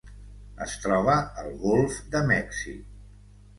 Es troba al golf de Mèxic.